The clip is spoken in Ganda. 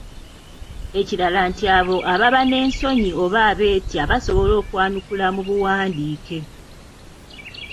Ekirala nti abo ababa n’ensonyi oba abeetya basobola okwanukula mu buwandiike.